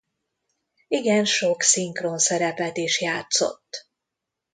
Igen sok szinkronszerepet is játszott.